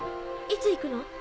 いつ行くの？